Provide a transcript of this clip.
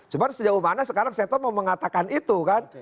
cuman sejauh mana sekarang setnoff mau mengatakan itu kan